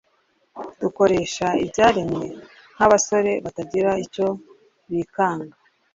dukoreshe ibyaremwe nk'abasore batagira icyo bikanga